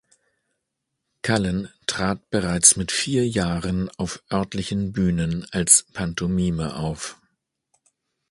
Cullen trat bereits mit vier Jahren auf örtlichen Bühnen als Pantomime auf.